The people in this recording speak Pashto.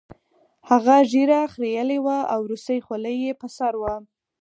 هغه ږیره خریلې وه او روسۍ خولۍ یې په سر وه